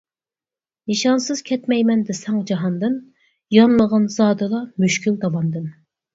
نىشانسىز كەتمەيمەن دېسەڭ جاھاندىن، يانمىغىن زادىلا مۈشكۈل، داۋاندىن.